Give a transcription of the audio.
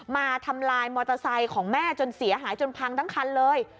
มาทำลายมอเตอร์ไซค์ของแม่จนเสียหายจนพังทั้งคันเลย